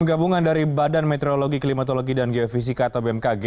tim gabungan dari badan meteorologi klimatologi dan geofisika atau bmkg